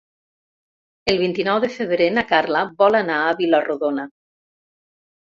El vint-i-nou de febrer na Carla vol anar a Vila-rodona.